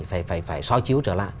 phải soi chiếu trở lại